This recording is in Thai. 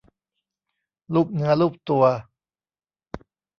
ลูบเนื้อลูบตัว